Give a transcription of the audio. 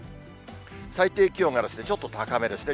最低気温がちょっと高めですね。